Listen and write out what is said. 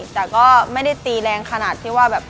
แต่ก็ไม่ได้ตีแรงขนาดที่ว่าแบบ